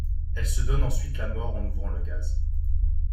Elle se donne ensuite la mort en ouvrant le gaz.